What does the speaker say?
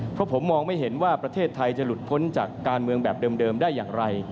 เพราะผมมองไม่เห็นว่าประเทศไทยจะหลุดพ้นจากการเมืองแบบเดิมได้อย่างไร